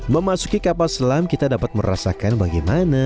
memasuki kapal selam kita dapat merasakan bagaimana